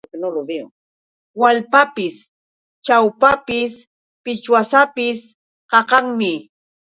Waalpapis, chakwapis, pichwsapis qaqanmi.